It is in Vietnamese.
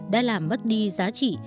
đã làm mất đi giá trị